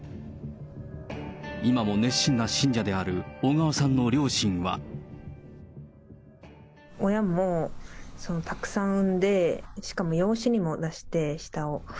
今も熱心な信者である小川さんの親も、たくさん産んで、しかも養子にも出して、下を。